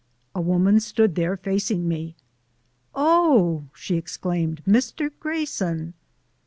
A woman stood there facing me. "Oh!" she exclaimed, "Mr. Grayson!"